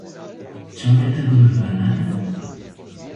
Çavê te bi min venede?